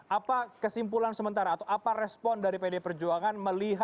apa kesimpulan sementara atau apa respon dari pd perjuangan